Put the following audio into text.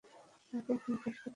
তাকে এখনি শেষ করতে বলছি।